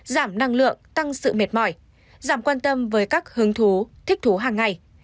giảm năng lượng tăng sự mệt mỏi giảm quan tâm với các hứng thú thích thú hàng ngày